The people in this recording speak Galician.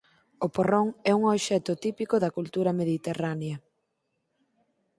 O porrón é un obxecto típico da cultura mediterránea.